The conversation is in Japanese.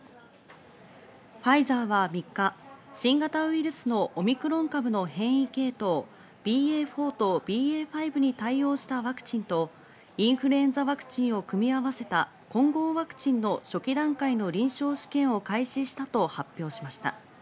ファイザーは３日、新型ウイルスのオミクロン株の変異系統ＢＡ．４とＢＡ．５に対応したワクチンと、インフルエンザワクチンを組み合わせた混合ワクチンの初期段階の臨床試験を開始したと発表しました。